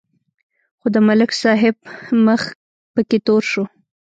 خو د ملک صاحب مخ پکې تور شو.